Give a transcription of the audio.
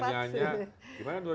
karena tahun dua ribu dua puluh empat